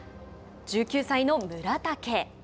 １９歳の村竹。